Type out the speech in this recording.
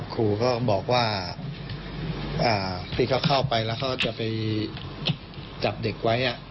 ครูก็บอกว่าที่เขาเข้าไปแล้วเขาจะไปจับเด็กไว้